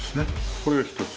これが１つ。